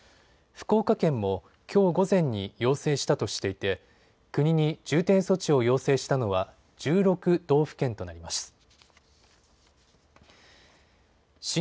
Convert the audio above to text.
福岡県も、きょう午前に要請したとしていて国に重点措置を要請したのは１６道府県となります。